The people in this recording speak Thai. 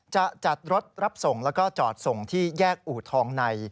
จะจัดรถรับส่งแล้วก็จอดส่งที่แยกอูทองใน